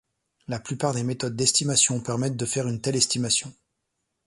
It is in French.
La plupart des méthodes d'estimation permettent de faire une telle estimation.